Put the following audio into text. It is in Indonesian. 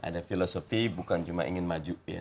ada filosofi bukan cuma ingin maju ya